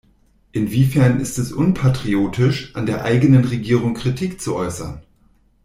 Inwiefern ist es unpatriotisch, an der eigenen Regierung Kritik zu äußern?